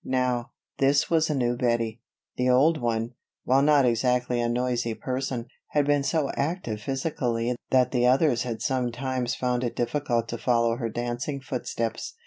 Now, this was a new Bettie. The old one, while not exactly a noisy person, had been so active physically that the others had sometimes found it difficult to follow her dancing footsteps.